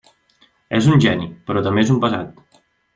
És un geni, però també és un pesat.